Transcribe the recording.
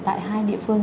tại hai địa phương